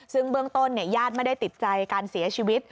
ซึ่งเบื้องต้นญาติไม่ได้ติดใจการเสียชีวิต